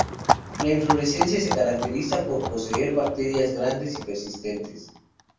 La inflorescencia se caracteriza por poseer brácteas grandes y persistentes.